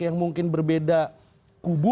yang mungkin berbeda kubu